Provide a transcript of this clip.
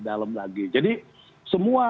dalam lagi jadi semua